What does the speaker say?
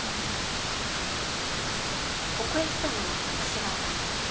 ここへ来たのは私が勝手に。